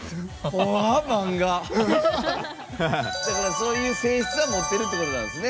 そういう性質は持ってるってことなんですね。